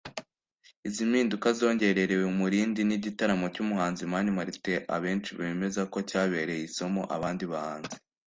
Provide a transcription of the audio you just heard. Izi mpinduka zongererewe umurindi n’igitaramo cy’umuhanzi Mani Martin abenshi bemeza ko cyabereye isomo abandi bahanzi